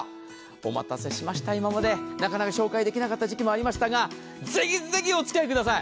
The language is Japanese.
お待たせしました、今まで、なかなか紹介できない時期もありましたが、ぜひぜひお使いください。